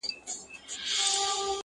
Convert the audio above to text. لمر هم کمزوری ښکاري دلته تل،